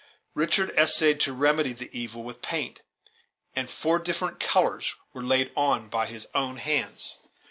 Richard essayed to remedy the evil with paint, and four different colors were laid on by his own hands.